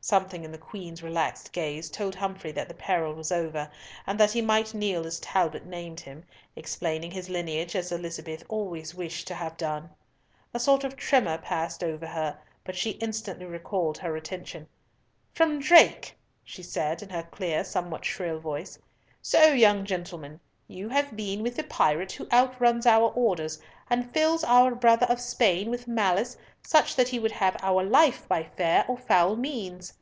Something in the Queen's relaxed gaze told Humfrey that the peril was over, and that he might kneel as Talbot named him, explaining his lineage as Elizabeth always wished to have done. A sort of tremor passed over her, but she instantly recalled her attention. "From Drake!" she said, in her clear, somewhat shrill voice. "So, young gentleman, you have been with the pirate who outruns our orders, and fills our brother of Spain with malice such that he would have our life by fair or foul means."